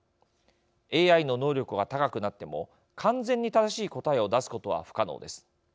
ＡＩの能力が高くなっても完全に正しい答えを出すことは不可能です。